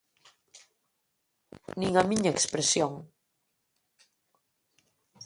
Nin a miña expresión.